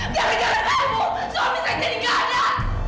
gara gara kamu suami saya jadi keadaan